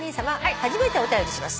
初めてお便りします」